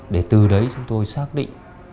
để từ đấy chúng tôi xác định